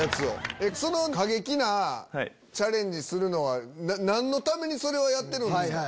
その過激なチャレンジするのは何のためにやってるんですか？